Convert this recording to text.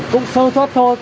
cũng sơ xuất thôi